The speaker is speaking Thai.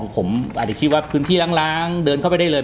ผมอาจจะคิดว่าพื้นที่ล้างเดินเข้าไปได้เลย